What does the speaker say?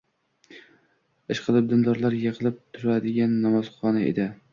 Ishqilib, dindorlar yiqilib-turadigan namozxona edi.